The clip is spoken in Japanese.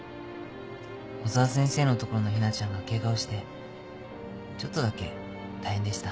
小沢先生のところのひなちゃんがケガをしてちょっとだけ大変でした。